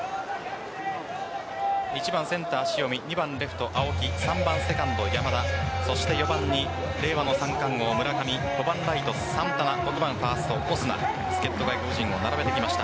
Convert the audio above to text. １番センター・塩見２番レフト・青木３番セカンド・山田４番に令和の三冠王・村上５番ライト・サンタナ６番ファースト・オスナ助っ人外国人を並べてきました。